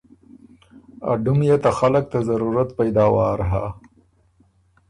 ا ډُم يې ته خلق ته ضرورت پېداوار هۀ۔